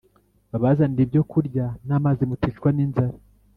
babazanire ibyokurya n amazimuticwa ninzara